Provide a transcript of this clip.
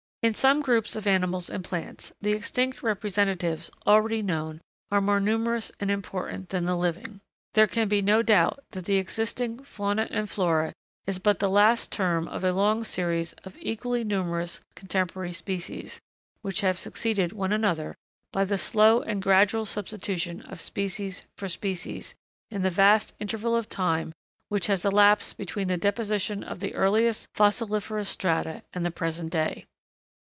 In some groups of animals and plants, the extinct representatives, already known, are more numerous and important than the living. There can be no doubt that the existing Fauna and Flora is but the last term of a long series of equally numerous contemporary species, which have succeeded one another, by the slow and gradual substitution of species for species, in the vast interval of time which has elapsed between the deposition of the earliest fossiliferous strata and the present day.